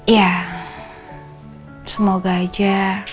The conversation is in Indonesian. yah semoga aja